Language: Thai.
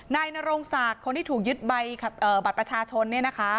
นโรงศักดิ์คนที่ถูกยึดใบบัตรประชาชนเนี่ยนะคะ